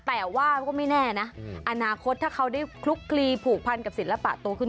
แต่ว่าก็ไม่แน่นะอนาคตถ้าเขาได้คลุกคลีผูกพันกับศิลปะโตขึ้น